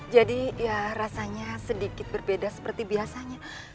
jadi ya rasanya sedikit berbeda seperti biasanya